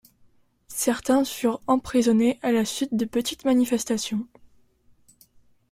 Certains furent emprisonnés à la suite de petites manifestations.